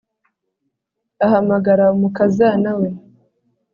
ahamagara umukazana we